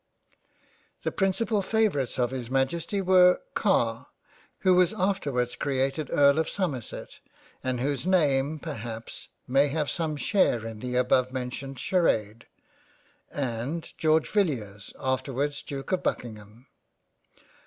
The principal favourites of his Majesty were Car, who was afterwards created Earl of Somerset and whose name perhaps may have some share in the above mentioned Sharade, and George Villiers afterwards Duke of Buckingham.